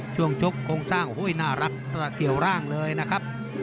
ชกโครงสร้างโอ้โหน่ารักเกี่ยวร่างเลยนะครับ